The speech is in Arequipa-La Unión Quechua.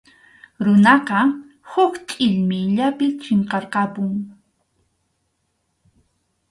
Runaqa huk chʼillmiyllapi chinkarqapun.